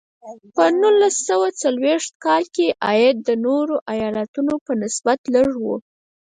په نولس سوه څلویښت کال کې عاید د نورو ایالتونو په نسبت لږ و.